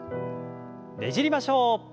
ねじりましょう。